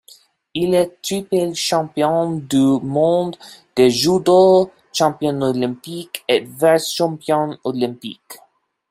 Il est triple champion du monde de judo, champion olympique et vice-champion olympique.